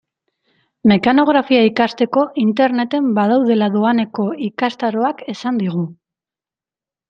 Mekanografia ikasteko Interneten badaudela doaneko ikastaroak esan digu.